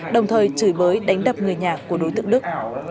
đồng thời chửi bới đánh đập người nhà của đối tượng đức